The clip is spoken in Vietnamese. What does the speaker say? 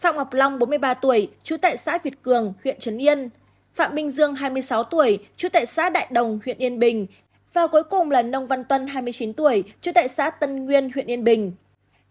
phạm ngọc long bốn mươi ba tuổi chú tại xã việt cường huyện trấn yên phạm bình dương hai mươi sáu tuổi chú tại xã đại đồng huyện yên bình và cuối cùng là nông văn tuân hai mươi chín tuổi trú tại xã tân nguyên huyện yên bình